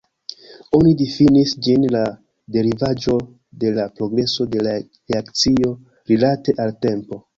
Oni difinis ĝin la derivaĵo de la progreso de reakcio rilate al tempo.